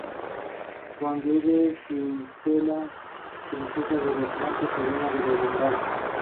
Las opciones de tratamiento incluyen tratamiento antibiótico o el abordaje mediante tratamiento expectante.